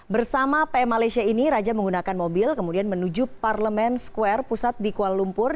bersama pm malaysia ini raja menggunakan mobil kemudian menuju parlemen square pusat di kuala lumpur